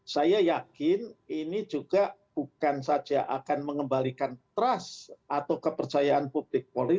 saya yakin ini juga bukan saja akan mengembalikan trust atau kepercayaan publik polri